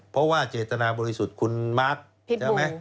เพราะว่าเจตนาบริสุทธิ์คุณมาร์คใช่ไหม